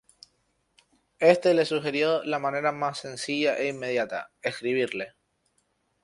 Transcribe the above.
Éste le sugirió la manera más sencilla e inmediata: escribirle.